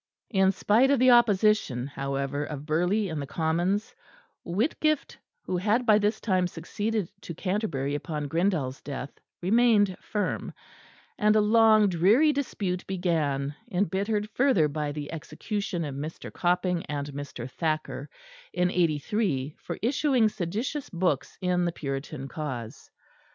In spite of the opposition, however, of Burghley and the Commons, Whitgift, who had by this time succeeded to Canterbury upon Grindal's death, remained firm; and a long and dreary dispute began, embittered further by the execution of Mr. Copping and Mr. Thacker in '83 for issuing seditious books in the Puritan cause.